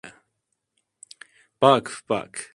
Bak, bak.